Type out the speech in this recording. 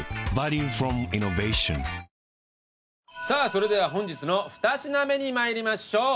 それでは本日の２品目にまいりましょう。